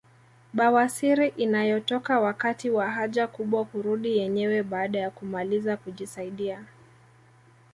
Bawasiri inayotoka wakati wa haja kubwa kurudi yenyewe baada ya kumaliza kujisaidia